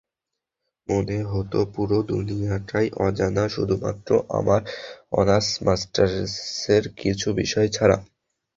মনে হতো পুরো দুনিয়াটাই অজানা শুধুমাত্র আমার অনার্স-মাস্টার্সের কিছু বিষয় ছাড়া।